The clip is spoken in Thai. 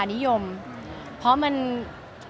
สวัสดีคุณครับสวัสดีคุณครับ